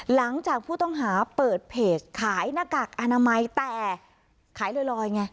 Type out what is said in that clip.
หลังจากผู้ต้องหาเปิดเพจขายหน้ากากอนามัยแต่ขายลอยไง